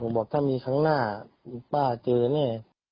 ผมบอกถ้ามีครั้งหน้าป้าเจอแน่